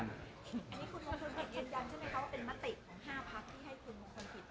อันนี้คุณธนทรยืนยันใช่ไหมคะว่าเป็นมติของ๕พักที่ให้คุณมงคลกิจ